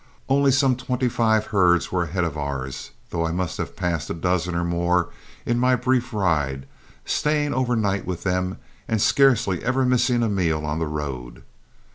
Only some twenty five herds were ahead of ours, though I must have passed a dozen or more in my brief ride, staying over night with them and scarcely ever missing a meal on the road.